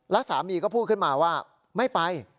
แล้วสามีก็พูดขึ้นมาว่าไม่ไป